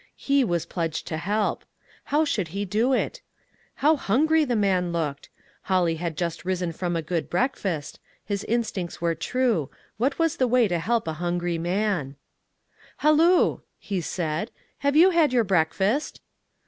He was pledged to help. How should he do it? How hungry the man looked ! Holly had just risen from a good breakfast ; his instincts were true ; what was the way to help a hungry man ? SILKEN COILS. " Halloo !" he said, " have you had your breakfast?"